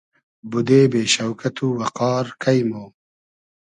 بودې بې شۆکئت و وئقار کݷ مۉ